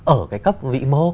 ở cái cấp vị mô